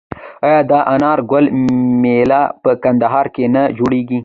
آیا د انار ګل میله په کندهار کې نه جوړیږي؟